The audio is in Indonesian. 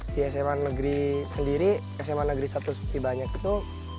di sma negeri sendiri sma negeri satu seperti banyak itu